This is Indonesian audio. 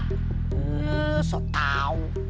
hmm sok tau